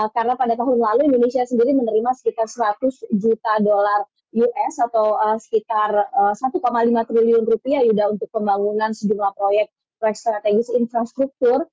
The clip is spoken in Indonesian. karena pada tahun lalu indonesia sendiri menerima sekitar seratus juta dolar us atau sekitar satu lima triliun rupiah yuda untuk pembangunan sejumlah proyek strategis infrastruktur